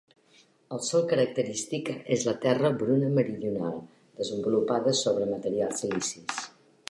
El sòl característic és la terra bruna meridional desenvolupada sobre materials silicis.